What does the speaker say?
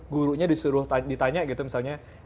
gurunya disuruh ditanya gitu misalnya